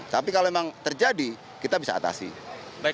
tapi kalau memang terjadi kita bisa mencari penyelamat